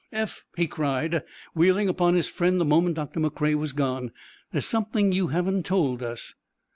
"Eph," he cried, wheeling upon his friend the moment Doctor McCrea was gone, "there's something you haven't told us."